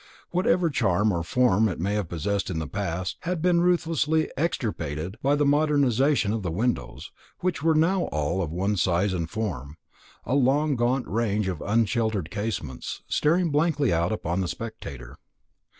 Whatever charm of form it may have possessed in the past had been ruthlessly extirpated by the modernisation of the windows, which were now all of one size and form a long gaunt range of unsheltered casements staring blankly out upon the spectator.